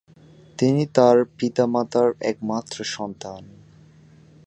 তিনি তাঁর পিতা মাতার একমাত্র সন্তান।